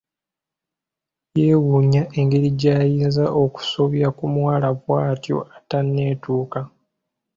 Yeewuunya engeri gy'ayinza okusobya ku muwala bw'atyo atanneetuuka.